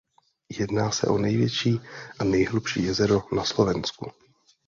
Jedná se o největší a nejhlubší jezero na Slovensku.